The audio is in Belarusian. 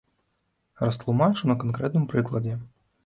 Растлумачу на канкрэтным прыкладзе.